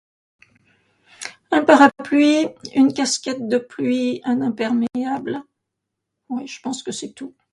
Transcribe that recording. Un parapluie, une casquette de pluie, un imperméable, oui, je pense que c'est tout.